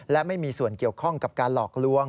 และไม่มีส่วนเกี่ยวข้องกับการหลอกลวง